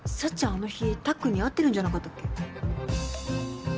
あの日たっくんに会ってるんじゃなかったっけ？